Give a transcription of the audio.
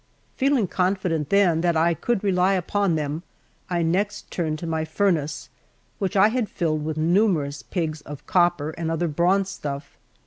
Feeling confident, then, that I could rely upon them, I next turned to my furnace, which I had filled with numerous pigs of copper and other bronze stuff.